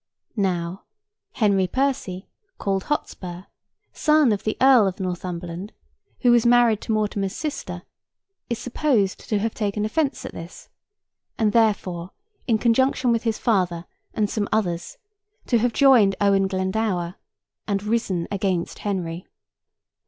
Now, Henry Percy, called Hotspur, son of the Earl of Northumberland, who was married to Mortimer's sister, is supposed to have taken offence at this; and, therefore, in conjunction with his father and some others, to have joined Owen Glendower, and risen against Henry.